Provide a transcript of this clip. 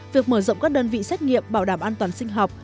việc mở rộng các đơn vị xét nghiệm bảo đảm an toàn sinh học